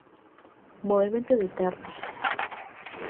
Movemento de terras.